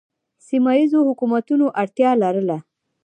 سیمه ییزو حکومتونو اړتیا لرله